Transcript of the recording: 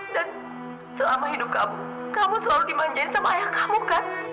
dan selama hidup kamu kamu selalu dimanjain sama ayah kamu kan